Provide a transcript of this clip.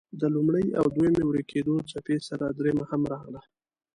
د لومړۍ او دویمې ورکېدو څپې سره دريمه هم راغله.